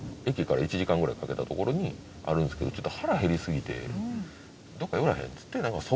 駅から１時間ぐらいかけた所にあるんですけどちょっと腹減りすぎてどっか寄らへん？